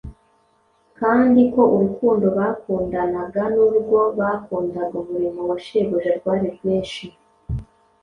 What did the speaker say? kandi ko urukundo bakundanaga n’urwo bakundaga umurimo wa Shebuja rwari rwinshi